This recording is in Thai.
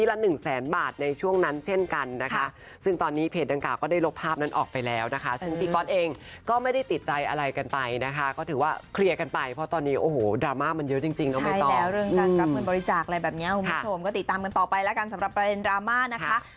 รามามันเยอะจริงแล้วไม่ต่อใช่แล้วเรื่องการรับมือบริจาคอะไรแบบนี้คุณผู้ชมก็ติดตามกันต่อไปแล้วกันสำหรับประเด็นรามานะคะ